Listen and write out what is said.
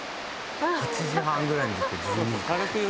８時半ぐらいに出て１２時。